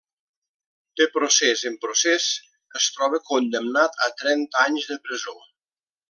De procés en procés, es troba condemnat a trenta anys de presó.